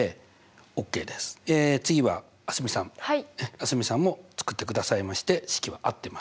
蒼澄さんも作ってくださいまして式は合ってます。